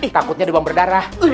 takutnya dibamber darah